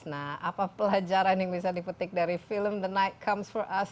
nah apa pelajaran yang bisa dipetik dari film the night comes for us